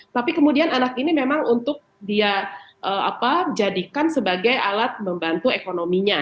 tapi kemudian anak ini memang untuk dia jadikan sebagai alat membantu ekonominya